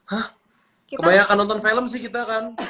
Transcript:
hah kebayang akan nonton film sih kita kan